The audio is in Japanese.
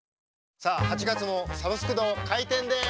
さあ８月も「サブスク堂」開店です！